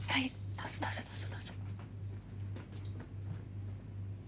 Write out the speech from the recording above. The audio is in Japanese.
どうぞどうぞどうぞどうぞ。